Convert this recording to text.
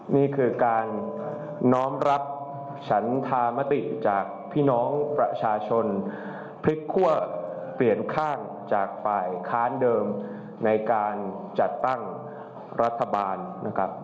นี่คือการน้อมรับฉันธามติจากพี่น้องประชาชนพลิกคั่วเปลี่ยนข้างจากฝ่ายค้านเดิมในการจัดตั้งรัฐบาลนะครับ